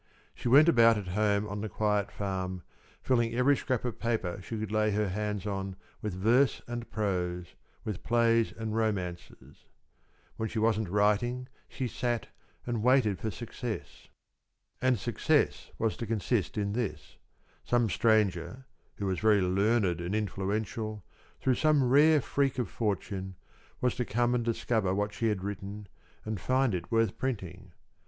She went about at home on the quiet farm, filling every scrap of paper she could lay her hands on with verse and prose, with plays and romances. When she wasn't writing, she sat and waited for success. And success was to consist in this: Some stranger who was very learned and influential, through some rare freak of fortune, was to come and discover what she had written and find it worth printing.